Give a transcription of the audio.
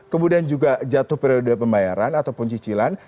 kemudian juga jatuh periode pembayaran ataupun cicilan